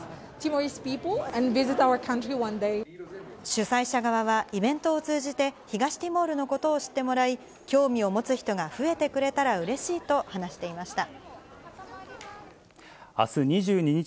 主催者側は、イベントを通じて、東ティモールのことを知ってもらい、興味を持つ人が増えてくれたらうれしいと話していました。